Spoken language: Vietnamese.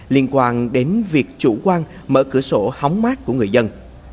liên quan đến việc chủ quan mở cửa sổ hóng mát của người dân